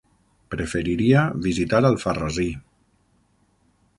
Preferiria visitar Alfarrasí.